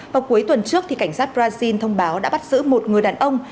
vào cuối tuần trước cảnh sát brazil thông báo đã bắt giữ một người đàn ông